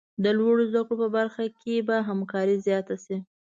د لوړو زده کړو په برخه کې به همکاري زیاته شي.